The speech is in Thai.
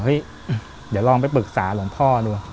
เดี๋ยวลองไปปรึกษาหลวงพ่อดู